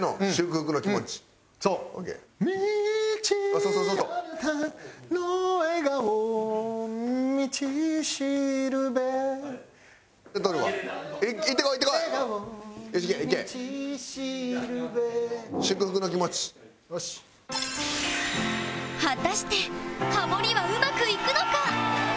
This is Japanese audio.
果たしてハモりはうまくいくのか？